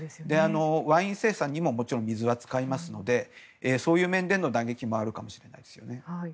ワイン生産にももちろん水は使いますのでそういう面での打撃もあるかもしれないですよね。